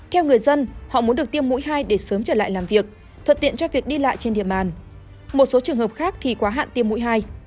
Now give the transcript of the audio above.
theo người dân họ muốn được tiêm mũi hai để sớm trở lại làm việc thuận tiện cho việc đi lại trên địa bàn một số trường hợp khác thì quá hạn tiêm mũi hai